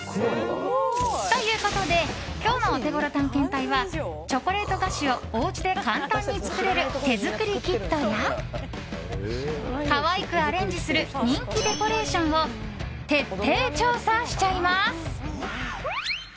ということで今日のオテゴロ探検隊はチョコレート菓子をおうちで簡単に作れる手作りキットや可愛くアレンジする人気デコレーションを徹底調査しちゃいます！